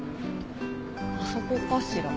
あそこかしら？